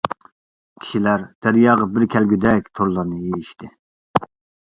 كىشىلەر دەرياغا بىر كەلگۈدەك تورلارنى يېيىشتى.